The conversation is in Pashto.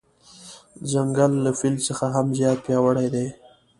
ځنګل له فیل څخه هم زیات پیاوړی دی.